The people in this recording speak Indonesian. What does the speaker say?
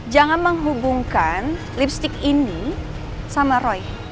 jangan menghubungkan lipstick ini sama roy